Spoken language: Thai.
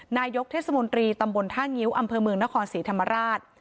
นายกเทศมนตรีตำบลท่างิ้วอำเภอเมืองนครศรีธรรมราช